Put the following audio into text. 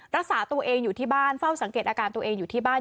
รักษาตัวเองอยู่ที่บ้านเฝ้าสังเกตอาการตัวเองอยู่ที่บ้าน